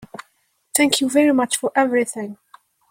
Thank you very much for everything.